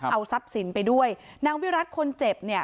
เอาทรัพย์สินไปด้วยนางวิรัติคนเจ็บเนี่ย